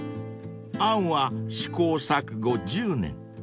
［あんは試行錯誤１０年］